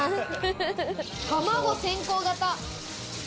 卵先行型。